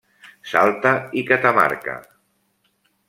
Salta i Catamarca.